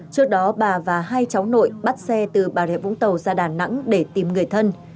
trước đó bà và hai cháu nội bắt xe từ bà rịa vũng tàu ra đà nẵng để tìm người thân